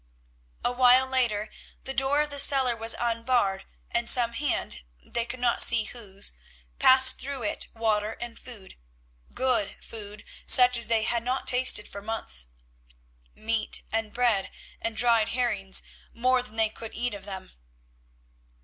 A while later the door of the cellar was unbarred and some hand, they could not see whose, passed through it water and food, good food such as they had not tasted for months; meat and bread and dried herrings, more than they could eat of them.